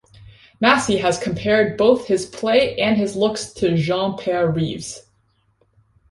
Massie has compared both his play and his look to Jean-Pierre Rives.